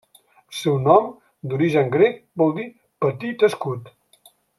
El seu nom, d'origen grec, vol dir 'petit escut'.